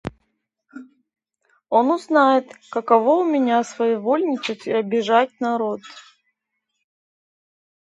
– Он узнает, каково у меня своевольничать и обижать народ.